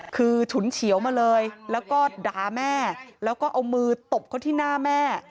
คือฉุนเฉียวมาเลยแล้วก็ด่าแม่แล้วก็เอามือตบเขาที่หน้าแม่